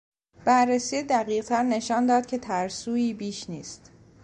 بررسی دقیقتر نشان داد که ترسویی بیش نیست.